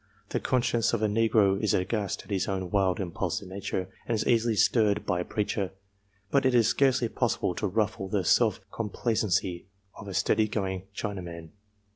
The conscience of a negro is aghast at his own wild, impulsive nature, and is easily stirred by a preacher, but it is scarcely possible to ruffle the self complacency of a steady going Chinaman.